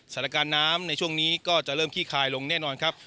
สถานการณ์น้ำในช่วงนี้ก็จะเริ่มขี้คายลงแน่นอนครับ